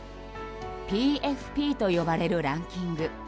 ＰＦＰと呼ばれるランキング。